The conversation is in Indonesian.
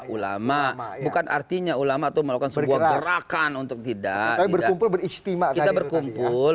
ulama bukan artinya ulama atau melakukan sebuah gerakan untuk tidak memberkumpul beristimewa berkumpul